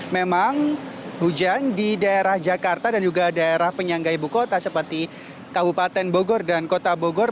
memang hujan di daerah jakarta dan juga daerah penyangga ibu kota seperti kabupaten bogor dan kota bogor